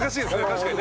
確かにね。